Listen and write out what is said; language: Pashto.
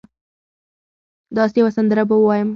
داسي یوه سندره به ووایم